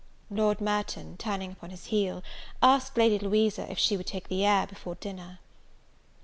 Lord Merton, turning upon his heel, asked Lady Louisa if she would take the air before dinner?